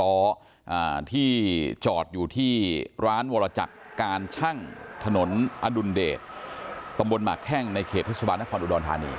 ที่จอดอยู่ที่ร้านวรจักรการชั่งถนนอดุลเดชตำบลหมากแข้งในเขตเทศบาลนครอุดรธานี